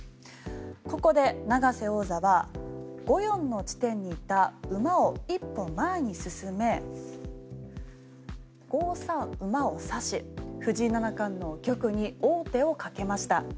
ここで永瀬王座は５四の地点にいた馬を１歩前に進め５三馬を指し、藤井七冠の玉に王手をかけました。